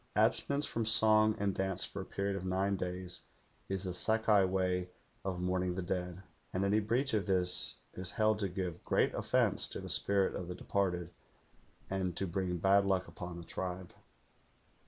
Abstenance from song and dance for a period of nine days is the Sakai way of mourning the dead, and any breach of this is held to give great offence to the spirit of the departed and to bring bad luck upon the tribe.